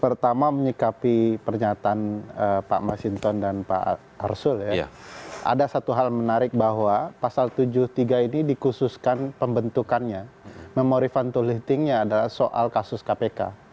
pertama menyikapi pernyataan pak masinton dan pak arsul ya ada satu hal menarik bahwa pasal tujuh puluh tiga ini dikhususkan pembentukannya memori fantolitingnya adalah soal kasus kpk